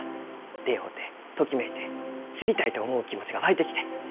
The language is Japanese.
出会うてときめいて知りたいと思う気持ちが湧いてきて。